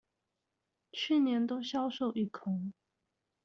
去年都銷售一空